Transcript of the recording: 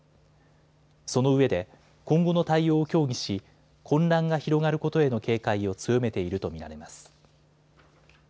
そのうえで今後の対応を協議し混乱が広がることへの警戒を強めていると見られます。